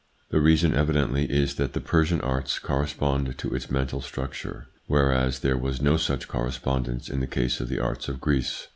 The reason evidently is that the Persian arts corresponded to its mental structure, whereas there was no such correspondence in the case of the arts of Greece.